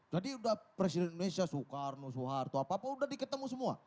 jadi sudah presiden indonesia soekarno soeharto apa apa sudah di ketemu semua